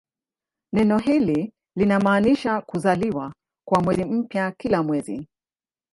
Neno hilo linamaanisha "kuzaliwa" kwa mwezi mpya kila mwezi.